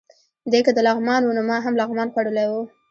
دی که د لغمان و، نو ما هم لغمان خوړلی و.